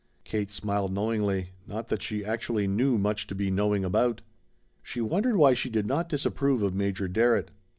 Kate smiled knowingly; not that she actually knew much to be knowing about. She wondered why she did not disapprove of Major Darrett.